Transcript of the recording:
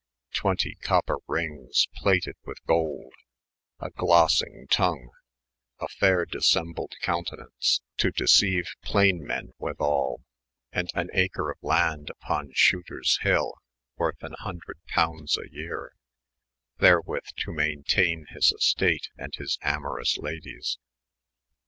xi, copper rynges plated with golde, a glosyng tongae, a fayre dissembled conntinaunce, to deceyue playne men with all, & an acre of land vpo» shoterB hyU, worth an hnndreth pounds a yeare, therewith to mainteyne his e*state, and his amorous ladyes.